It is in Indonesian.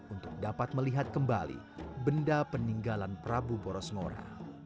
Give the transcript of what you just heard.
untuk dapat melihat kembali benda peninggalan prabu boros ngora